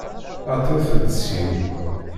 Aṭret-d syin!